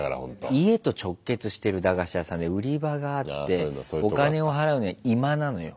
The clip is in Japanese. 家と直結してる駄菓子屋さんで売り場があってお金を払うの居間なのよ。